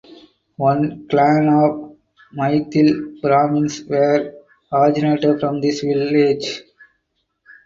One clan of Maithil Brahmins were originated from this village.